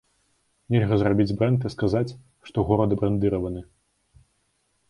Нельга зрабіць брэнд і сказаць, што горад брэндыраваны.